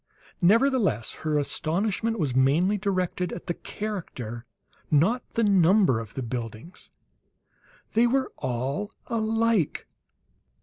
Nevertheless her astonishment was mainly directed at the character, not the number of the buildings. They were all alike!